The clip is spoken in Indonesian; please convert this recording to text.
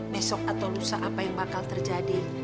besok atau lusa apa yang bakal terjadi